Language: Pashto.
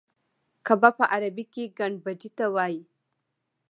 قبه په عربي کې ګنبدې ته وایي.